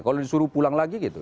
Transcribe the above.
kalau disuruh pulang lagi gitu